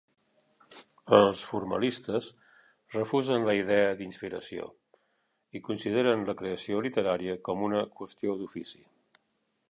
Els formalistes refusen la idea d'inspiració i consideren la creació literària com una qüestió d'ofici.